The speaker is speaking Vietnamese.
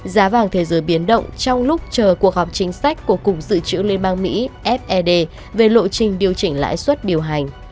giá vàng thế giới biến động trong lúc chờ cuộc họp chính sách của cục dự trữ liên bang mỹ fed về lộ trình điều chỉnh lãi suất điều hành